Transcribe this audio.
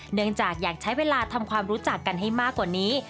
อยากใช้เวลาทำความรู้จักกันให้มากกว่านี้